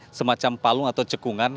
berada di semacam palung atau cekungan